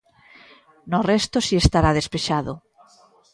No resto si estará despexado.